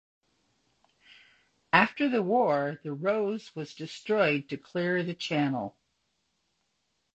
After the war the "Rose" was destroyed to clear the channel.